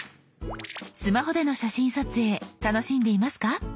スマホでの写真撮影楽しんでいますか？